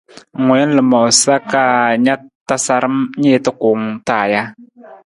Ng wiin lamoosa ka tasaram niita kuwung taa ja?